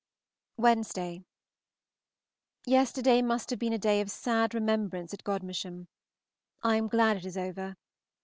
Wednesday. Yesterday must have been a day of sad remembrance at Gm. I am glad it is over.